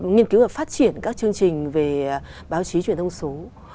nghiên cứu và phát triển các chương trình về báo chí truyền thông số